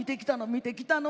見てきたの。